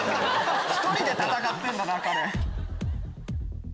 １人で戦ってるんだな彼。